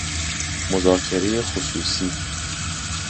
مذاکره خصوصی